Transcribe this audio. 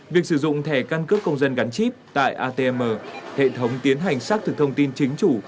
việc sử dụng thẻ căn cước công dân gắn chip tại atm hệ thống tiến hành xác thực thông tin chính chủ